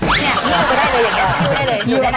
ใช่ได้เลยค่ะ